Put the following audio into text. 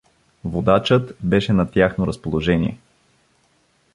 Водачът беше на тяхно разположение.